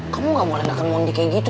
kamu gak boleh dapet mondi kayak gitu